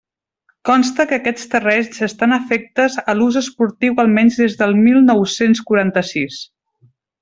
Consta que aquests terrenys estan afectes a l'ús esportiu almenys des de mil nou-cents quaranta-sis.